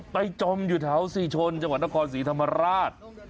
จมอยู่แถวศรีชนจังหวัดนครศรีธรรมราช